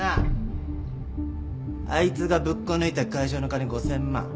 あいつがぶっこ抜いた会社の金５，０００万。